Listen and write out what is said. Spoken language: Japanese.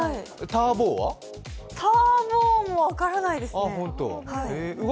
ター坊も分からないですね。